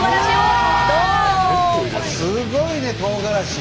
すごいねとうがらし。